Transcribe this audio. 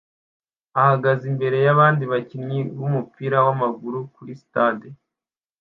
ahagaze imbere yabandi bakinnyi bumupira wamaguru kuri stade